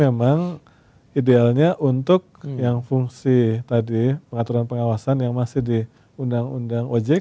memang idealnya untuk yang fungsi tadi pengaturan pengawasan yang masih di undang undang ojk